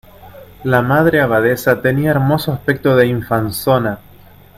la Madre Abadesa tenía hermoso aspecto de infanzona: